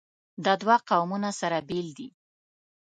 دا دوه قومونه سره بېل دي.